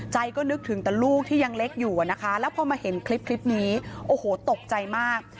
ก็นึกถึงแต่ลูกที่ยังเล็กอยู่อะนะคะแล้วพอมาเห็นคลิปนี้โอ้โหตกใจมาก